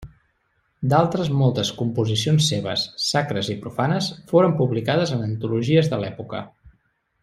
D'altres moltes composicions seves, sacres i profanes, foren publicades en antologies de l'època.